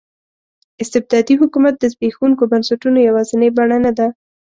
استبدادي حکومت د زبېښونکو بنسټونو یوازینۍ بڼه نه ده.